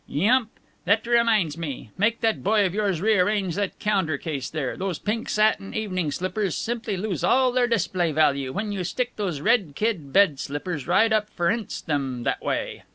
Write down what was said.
"Yump. That reminds me. Make that boy of yours rearrange that counter case there. Those pink satin evening slippers simply lose all their display value when you stick those red kid bed slippers right up ferninst them that way.